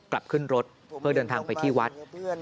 กลับขึ้นรถเพื่อเดินทางไปที่วัด